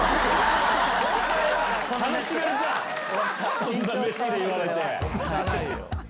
そんな目つきで言われて！